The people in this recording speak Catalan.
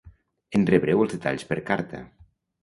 En rebreu els detalls per carta.